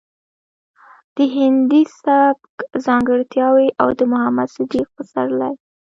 د هندي سبک ځانګړټياوې او د محمد صديق پسرلي